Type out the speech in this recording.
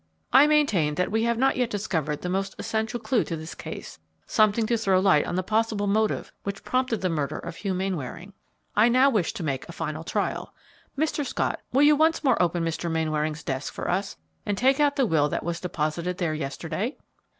I maintain that we have not yet discovered the most essential clue to this case something to throw light on the possible motive which prompted the murder of Hugh Mainwaring. I now wish to make a final trial. Mr. Scott, will you once more open Mr. Mainwaring's desk for us and take out the will that was deposited there yesterday?"